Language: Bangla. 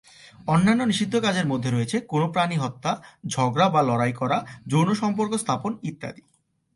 অন্যান্য নিষিদ্ধ কাজের মধ্যে রয়েছে কোনো প্রাণী হত্যা, ঝগড়া বা লড়াই করা, যৌন সম্পর্ক স্থাপন ইত্যাদি।